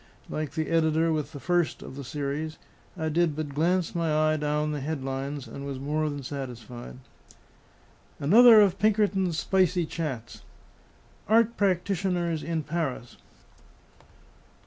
Like the editor with the first of the series, I did but glance my eye down the head lines and was more than satisfied. ANOTHER OF PINKERTON'S SPICY CHATS. ART PRACTITIONERS IN PARIS.